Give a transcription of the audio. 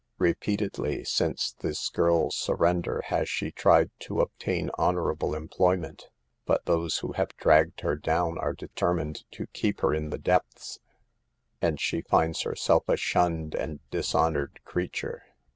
Repeatedly since this girl's surrender, has she tried to obtain honorable employment, but those who have dragged her down are deter mined to keep her in the depths, and she finds herself a shunned and dishonored creature.